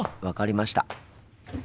分かりました。